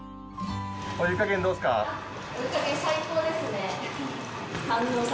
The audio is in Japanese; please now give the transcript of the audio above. お湯加減どうですか？